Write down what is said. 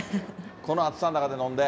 この暑さの中で飲んで。